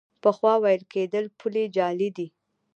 پخوا ویل کېدل پولې جعلي دي.